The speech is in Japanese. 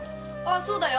そうだよ。